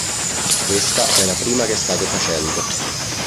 Questa è la prima che state facendo".